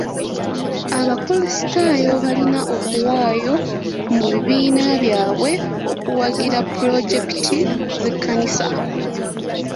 Abakulisitaayo balina okuwaayo mu bibiina byabwe okuwagira pulojekiti z'ekkanisa.